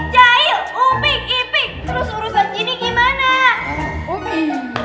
cahil upik ipik terus urusan ini gimana